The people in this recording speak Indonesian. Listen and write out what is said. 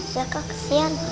ya kak kesian enggak ada